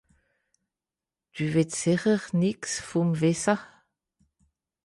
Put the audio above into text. Dü wìtt sìcher nìx vùm wìsse ?